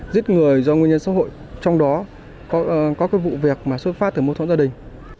giết người do nguyên nhân xã hội trong đó có cái vụ việc mà xuất phát từ mâu thuẫn gia đình